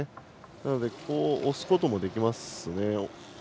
なので押すこともできますね。